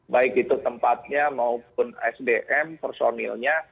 baik itu tempatnya maupun sdm personilnya